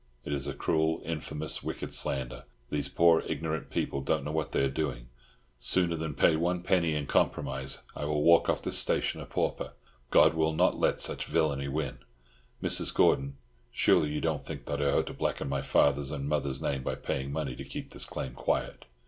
It is a cruel, infamous, wicked slander. These poor, ignorant people don't know what they are doing. Sooner than pay one penny in compromise, I will walk off this station a pauper. God will not let such villainy win. Mrs. Gordon, surely you don't think that I ought to blacken my father's and mother's name by paying money to keep this claim quiet?"